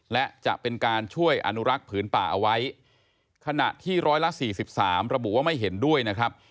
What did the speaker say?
และจะเป็นการช่วยอนุรักษ์ผืนป่าเอาไว้ขณะที่ร้อยละ๔๓ระบุว่าไม่เห็นด้วยนะครับ